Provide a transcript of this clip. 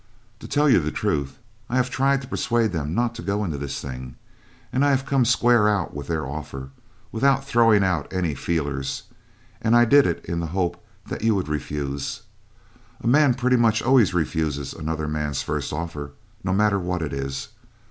To tell you the truth, I have tried to persuade them not to go into the thing; and I have come square out with their offer, without throwing out any feelers and I did it in the hope that you would refuse. A man pretty much always refuses another man's first offer, no matter what it is.